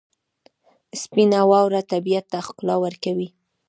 سپینه واوره طبیعت ته ښکلا ورکوي.